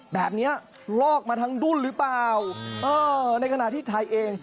แบบนี้ลอกมาทั้งดุ้นหรือเปล่าเออในขณะที่ไทยเอง